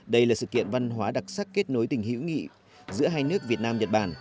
đây là sự kiện văn hóa đặc sắc kết nối tình hữu nghị giữa hai nước việt nam nhật bản